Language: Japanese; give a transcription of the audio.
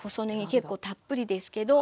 結構たっぷりですけどここに。